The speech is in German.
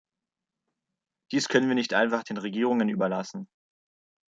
Dies können wir nicht einfach den Regierungen überlassen.